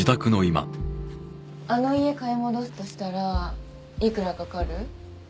あの家買い戻すとしたらいくらかかる？